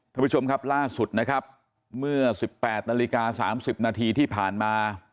ท่านผู้ชมครับล่าสุดนะครับเมื่อ๑๘นาฬิกา๓๐นาทีที่ผ่านมา